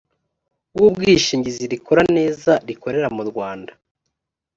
w ubwishingizi rikora neza rikorera mu rwanda